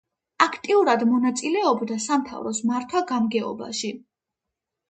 აქტიურად მონაწილეობდა სამთავროს მართვა-გამგეობაში.